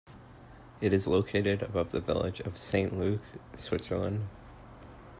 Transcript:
It is located above the village of Saint-Luc, Switzerland.